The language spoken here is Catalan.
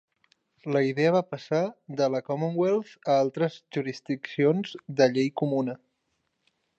La idea va passar de la Commonwealth a altres jurisdiccions de llei comuna.